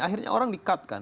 akhirnya orang di cut kan